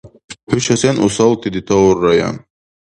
ХӀуша сен усалти детауррая?